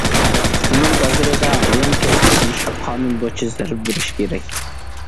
كۆمۈر بازىرىدا ھايانكەشلىك قىلىشقا قانۇن بويىچە زەربە بېرىش كېرەك.